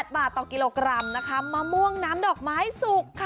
๑๘บาทต่อกิโลกรัมมะม่วงน้ำดอกไม้สุก